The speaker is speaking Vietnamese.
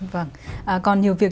vâng còn nhiều việc